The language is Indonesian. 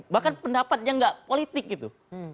bahkan pendapatnya nggak politik gitu